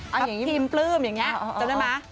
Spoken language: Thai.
กับพิมพ์ปลื้มอย่างนี้จำได้มั้ย